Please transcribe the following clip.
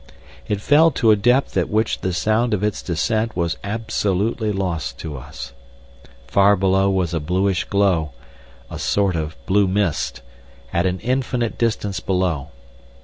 It fell to a depth at which the sound of its descent was absolutely lost to us. Far below was a bluish glow, a sort of blue mist—at an infinite distance below.